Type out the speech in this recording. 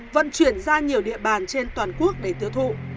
vận chuyển ra nhiều địa bàn trên toàn quốc để tiêu thụ